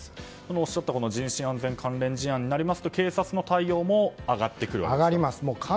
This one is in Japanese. おっしゃった人身安全関連事案になりますと警察の対応も上がってくるわけですか。